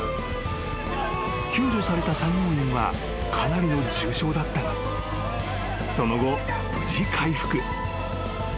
［救助された作業員はかなりの重症だったがその後無事回復］